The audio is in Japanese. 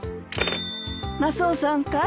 マスオさんかい？